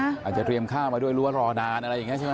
อาจจะเตรียมข้าวมาด้วยรู้ว่ารอนานอะไรอย่างนี้ใช่ไหม